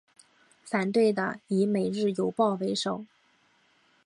反对的以每日邮报为首。